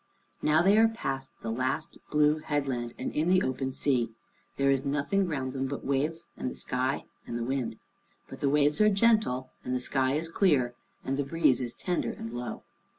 Now they are past the last blue headland and in the open sea. There is nothing round them but waves, and the sky and the wind. But the waves are gentle and the sky is clear, and the breeze is tender and low.